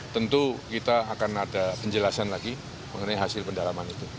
tentu kita akan ada penjelasan lagi mengenai hasil pendalaman itu